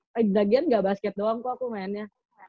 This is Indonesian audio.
lagi lagi enggak basket doang kok aku mainnya